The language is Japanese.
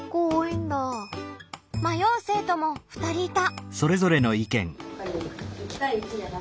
迷う生徒も２人いた。